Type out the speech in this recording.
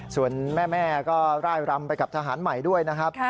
ส่วนแม่ก็ร่ายรำไปกับทหารใหม่ด้วยนะครับ